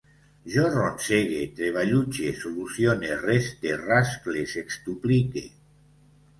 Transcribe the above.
Jo ronsege, treballutxe, solucione, reste, rascle, sextuplique